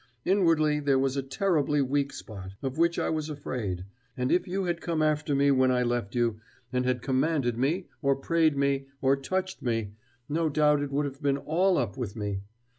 Inwardly there was a terribly weak spot, of which I was afraid; and if you had come after me when I left you, and had commanded me, or prayed me, or touched me, no doubt it would have been all up with me.